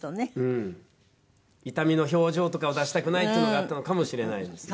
痛みの表情とかを出したくないっていうのがあったのかもしれないですね。